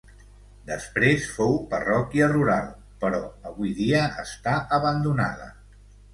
Després fou parròquia rural, però avui dia està abandonada.